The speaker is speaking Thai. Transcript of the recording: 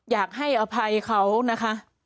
อยากให้อภัยเขานะคะ